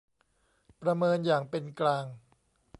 ประเมินอย่างเป็นกลาง